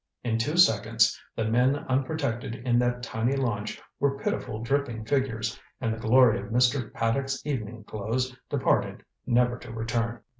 In two seconds the men unprotected in that tiny launch were pitiful dripping figures, and the glory of Mr. Paddock's evening clothes departed never to return.